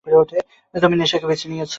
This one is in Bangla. তুমি নেশাকে বেছে নিয়েছো?